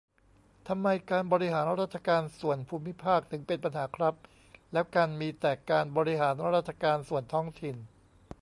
ทำไม การบริหารราชการส่วนภูมิภาค ถึงเป็นปัญหาครับ ? แล้วการมีแต่การบริหารราชการส่วนท้องถิ่น